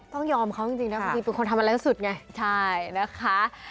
ต้องยอมเขาจริงนะบางทีเป็นคนทำอะไรที่สุดไงใช่นะคะ